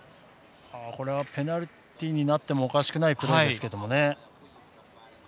ペナルティーになってもおかしくないプレーですけどね。